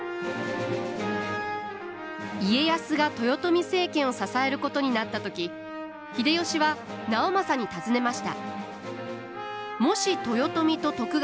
家康が豊臣政権を支えることになった時秀吉は直政に尋ねました。